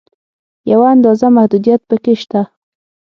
یوه اندازه محدودیت په کې شته.